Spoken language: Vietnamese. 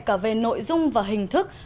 cả về nội dung và hình thức